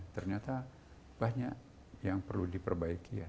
ternyata banyak yang perlu diperbaiki ya